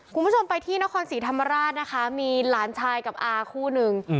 คุณผู้ชมไปที่นครศรีธรรมราชนะคะมีหลานชายกับอาคู่นึง